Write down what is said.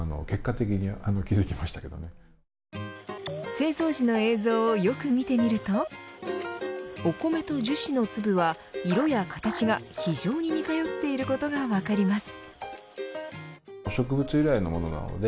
製造時の映像をよく見てみるとお米と樹脂の粒は、色や形が非常に似通っていることが分かります。